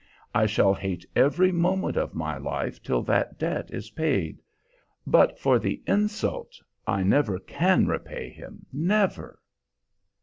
I shall hate every moment of my life till that debt is paid. But for the insult I never can repay him, never!